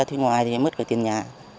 thì mất cả tiền nhà